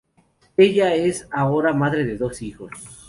Ella es ahora madre de dos hijos.